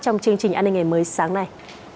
trong chương trình an ninh ngày mới sáng nay